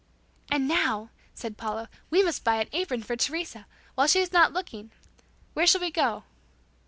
"And now," said Paula, "we must buy an apron for Teresa, while she's not looking. Where shall we go?"